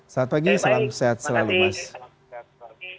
selamat pagi selamat pagi selamat pagi selamat pagi